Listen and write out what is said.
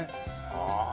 ああ。